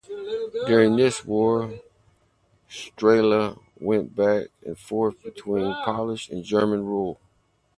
During this war, Strehla went back and forth between Polish and German rule.